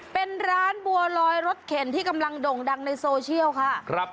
เป็นร้านบัวลอยรถเข็นที่กำลังด่งดังในโซเชียลค่ะ